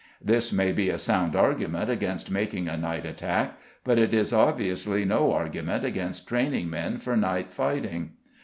This may be a sound argument against making a night attack, but it is obviously no argument against training men for night fighting.